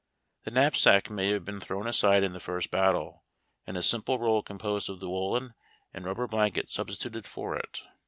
The knajosack may have been thrown aside in the first battle, and a simple roll composed of the woollen and rubber blanket substituted for it.